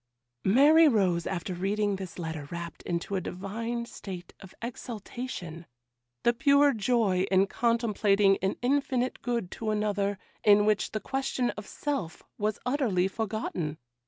Mary rose after reading this letter wrapped into a divine state of exaltation,—the pure joy in contemplating an infinite good to another, in which the question of self was utterly forgotten.